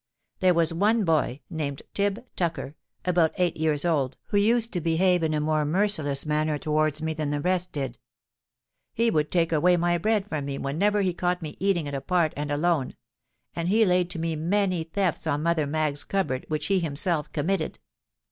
There was one boy, named Tib Tucker, about eight years old, who used to behave in a more merciless manner towards me than the rest did. He would take away my bread from me whenever he caught me eating it apart and alone; and he laid to me many thefts on Mother Maggs's cupboard which he himself committed.